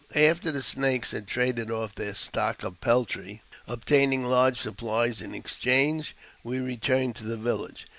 After the Snakes had traded off their stock of peltry, ol taining large supplies in exchange, we returned to the village.